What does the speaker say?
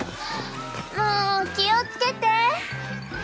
もう気をつけて！